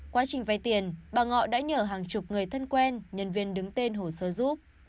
quá trình vay tiền bà ngọ đã nhờ hàng chục người thân quen nhân viên đứng tên hồ sơ giúp